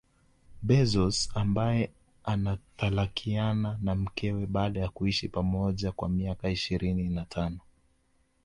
Bezoz ambaye anatalakiana na mkewe baada ya kuishi pamoja kwa miaka ishirini na tano